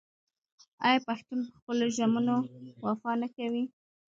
آیا پښتون په خپلو ژمنو وفا نه کوي؟